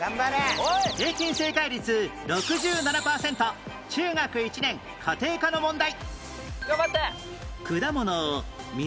平均正解率６７パーセント中学１年家庭科の問題